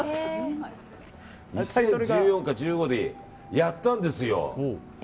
２０１４か１５にやったんですよ。